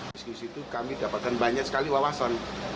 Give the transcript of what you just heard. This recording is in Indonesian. diskusi itu kami dapatkan banyak sekali wawasan